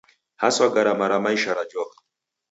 Haswa garama ra maisha rajoka.